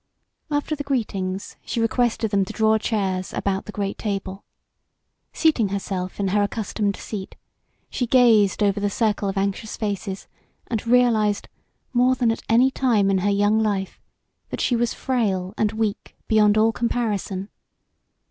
After the greetings she requested them to draw chairs about the great table. Seating herself in her accustomed seat, she gazed over the circle of anxious faces and realized, more than at any time in her young life, that she was frail and weak beyond all comparison.